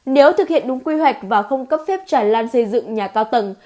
nếu thực hiện đúng quy hoạch và không cấp phép tràn lan xây dựng nhà cao tầng